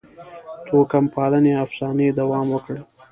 توکم پالنې افسانې دوام وکړ.